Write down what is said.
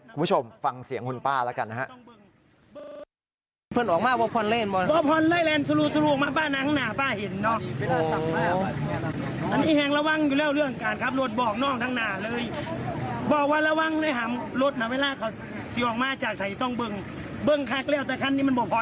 คุณผู้ชมฟังเสียงคุณป้าแล้วกันนะครับ